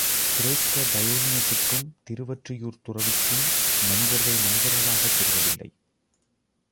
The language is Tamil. கிரேக்க டயோனியசுக்கும் திருவொற்றியூர்த் துறவிக்கும் மனிதர்கள் மனிதர்களாகத் தெரியவில்லை.